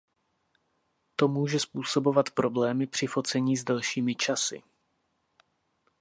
To může způsobovat problémy při focení s delšími časy.